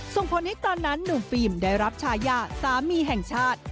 ส่งผลให้ตอนนั้นหนุ่มฟิล์มได้รับชายาสามีแห่งชาติ